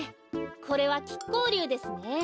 これはきっこうりゅうですね。